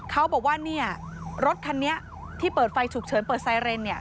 เขาบอกว่ารถคันนี้ที่เปิดไฟฉุกเฉินเปิดไซเรน